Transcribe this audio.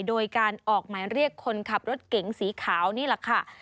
โดยการออกหมายเรียกคนขับรถเก๋งสีขาวนี่แหละค่ะ